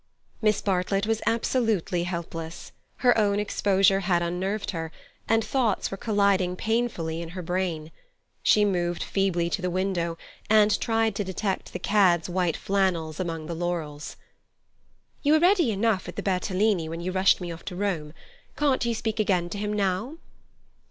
Miss Bartlett was absolutely helpless. Her own exposure had unnerved her, and thoughts were colliding painfully in her brain. She moved feebly to the window, and tried to detect the cad's white flannels among the laurels. "You were ready enough at the Bertolini when you rushed me off to Rome. Can't you speak again to him now?"